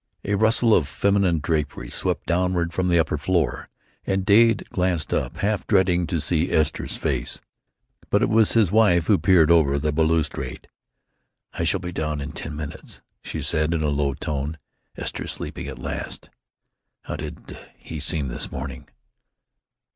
A rustle of feminine drapery swept downward from the upper floor, and Dade glanced up, half dreading to see Esther's face. But it was his wife who peered over the balustrade. "I shall be down in ten minutes," she said, in low tone. "Esther is sleeping at last. How did he seem this morning?"